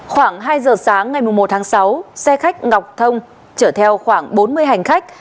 khoảng hai giờ sáng ngày một tháng sáu xe khách ngọc thông chở theo khoảng bốn mươi hành khách